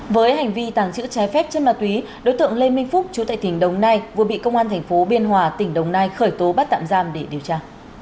với hành vi tàng trữ trái phép chất ma túy đối tượng lê minh phúc chú tại tỉnh đồng nai vừa bị công an thành phố biên hòa tỉnh đồng nai khởi tố bắt tạm giam để điều tra